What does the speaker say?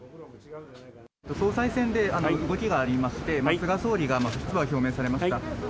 総裁選で動きがありまして、菅総理が不出馬を表明されました。